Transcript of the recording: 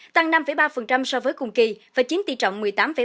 tăng năm ba so với cùng kỳ và chiếm tỷ trọng một mươi tám năm